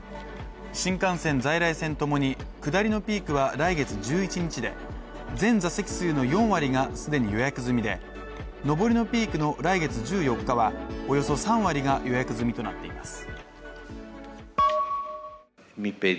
新幹線、在来線ともに、下りのピークは来月１１日で全座席数の４割が既に予約済みで、上りのピークの来月１４日は、およそ３割が予約済みとなっています。